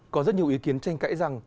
có rất nhiều ý kiến tranh cãi rằng